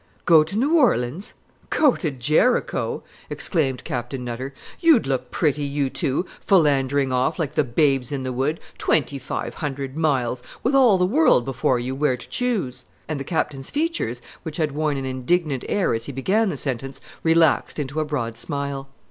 "Go to New Orleans? Go to Jericho!" exclaimed Captain Nutter. "You'd look pretty, you two, philandering off, like the babes in the wood, twenty five hundred miles, 'with all the world before you where to choose!'" And the Captain's features, which had worn an indignant air as he began the sentence, relaxed into a broad smile.